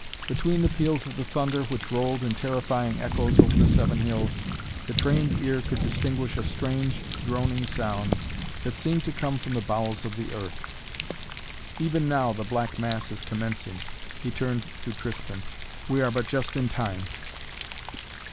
Between the peals of the thunder which rolled in terrifying echoes over the Seven Hills, the trained ear could distinguish a strange, droning sound that seemed to come from the bowels of the earth. "Even now the Black Mass is commencing," he turned to Tristan. "We are but just in time."